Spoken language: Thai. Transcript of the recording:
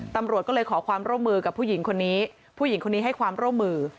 ตำรวจก็เลยขอความร่วมมือกับผู้หญิงคนนี้ผู้หญิงคนนี้ให้ความร่วมมือ